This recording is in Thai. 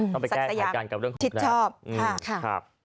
ต้องไปแก้ขายการกับเรื่องของเขาแหละค่ะค่ะสักสะยัง